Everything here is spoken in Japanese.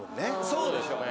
そうでしょうね。